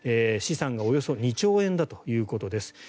資産がおよそ２兆円だということです。